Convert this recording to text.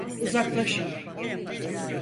Uzaklaşın!